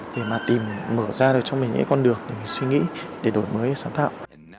để mà tìm mở ra được cho mình những con đường để mình suy nghĩ để đổi mới sáng tạo